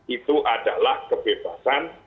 itu adalah kebebasan